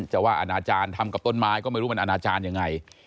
จะว่าอนาจารย์ทำกับต้นไม้ก็ไม่รู้มันอนาจารย์ยังไง